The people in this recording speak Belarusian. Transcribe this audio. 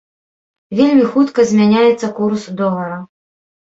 Вельмі хутка змяняецца курс долара.